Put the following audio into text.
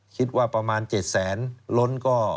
คิดว่าประมาณ๗แสนล้นก็